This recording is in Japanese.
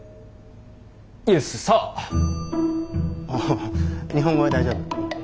ああ日本語で大丈夫。